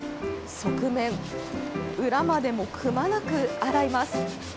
表はもちろん、側面、裏までもくまなく洗います。